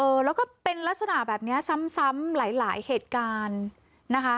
เออแล้วก็เป็นลักษณะแบบนี้ซ้ำซ้ำหลายหลายเหตุการณ์นะคะ